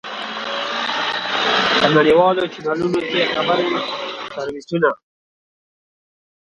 په نړیوالو چېنلونو کې خبري سرویسونه.